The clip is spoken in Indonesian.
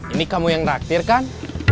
ini kamu yang raktir kan